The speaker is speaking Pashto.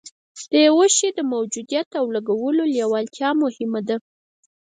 د يوه شي د موجوديت او کولو لېوالتيا مهمه ده.